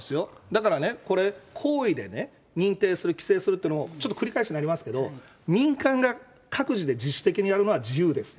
だからね、これ、行為で認定する、規制するっていうのも、ちょっと繰り返しになりますけど、民間が各自で自主的にやるのは自由です。